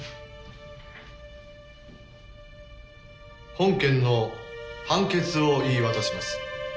本件の判決を言い渡します。